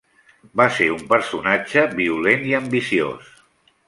Va ser un personatge violent i ambiciós.